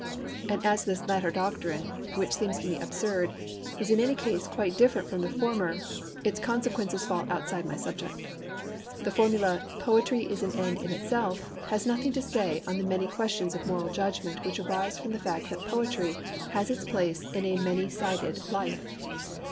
And as this latter doctrine, which seems to me absurd, is in any case quite different from the former, its consequences fall outside my subject. The formula 'Poetry is an end in itself'[Pg 9] has nothing to say on the many questions of moral judgement which arise from the fact that poetry has its place in a many sided life.